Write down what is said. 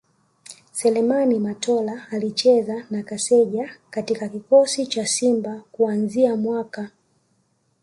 Seleman Matola Alicheza na Kaseja katika kikosi cha Simba kuanzia mwaka